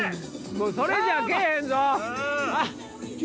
それじゃあ来ぇへんぞ。